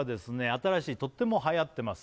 新しいとってもはやってます